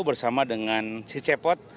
bersama dengan si cepot